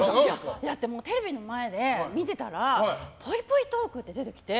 テレビの前で見てたらぽいぽいトークって出てきて。